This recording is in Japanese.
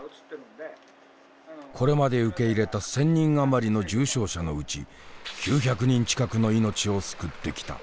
これまで受け入れた１，０００人余りの重症者のうち９００人近くの命を救ってきた。